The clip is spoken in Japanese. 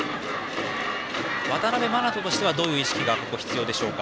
渡辺眞翔としてはどういう意識が必要ですか。